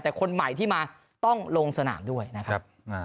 แต่คนใหม่ที่มาต้องลงสนามด้วยนะครับ